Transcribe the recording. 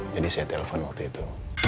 jadi saya telepon waktu itu